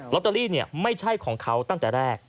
ตเตอรี่ไม่ใช่ของเขาตั้งแต่แรก